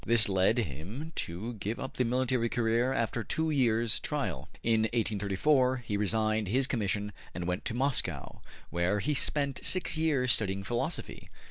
'' This led him to give up the military career after two years' trial. In 1834 he resigned his commission and went to Moscow, where he spent six years studying philosophy.